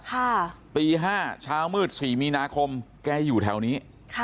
พื้นปื้นเช้าค่ะปีห้าเช้ามืดสี่มีนาคมแกอยู่แถวนี้